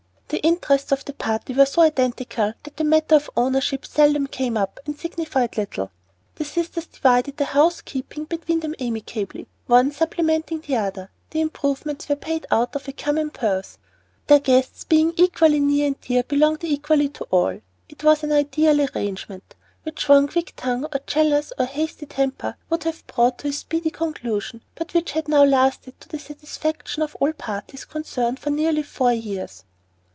The interests of the party were so identical that the matter of ownership seldom came up, and signified little. The sisters divided the house keeping between them amicably, one supplementing the other; the improvements were paid for out of a common purse; their guests, being equally near and dear, belonged equally to all. It was an ideal arrangement, which one quick tongue or jealous or hasty temper would have brought to speedy conclusion, but which had now lasted to the satisfaction of all parties concerned for nearly four years.